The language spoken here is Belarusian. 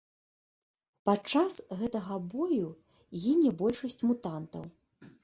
Падчас гэтага бою гіне большасць мутантаў.